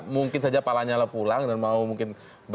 mungkin saja pala nyala pulang dan mau mungkin